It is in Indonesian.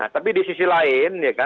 tapi di sisi lain